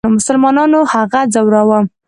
مسلمانانو هغه ځوراوه.